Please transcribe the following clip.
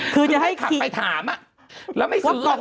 คือจะให้ขับไปถามแล้วไม่สต๊อก